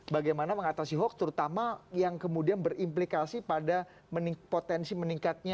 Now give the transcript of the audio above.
bagaimana mengatasi hoax terutama yang kemudian berimplikasi pada potensi meningkatnya